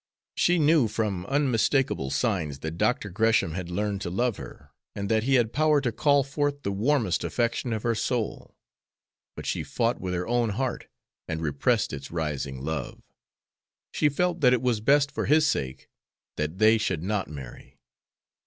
She knew from unmistakable signs that Dr. Gresham had learned to love her, and that he had power to call forth the warmest affection of her soul; but she fought with her own heart and repressed its rising love. She felt that it was best for his sake that they should not marry.